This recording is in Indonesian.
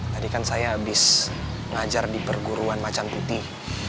tadi kan saya habis ngajar di perguruan macan putih